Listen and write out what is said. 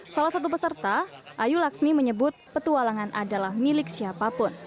salah satu peserta ayu laksmi menyebut petualangan adalah milik siapapun